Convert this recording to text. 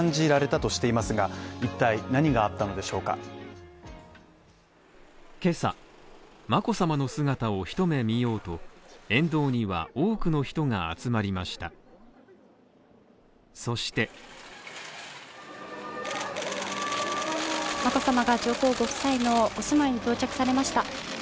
そして眞子さまが上皇ご夫妻のご住まいに到着されました。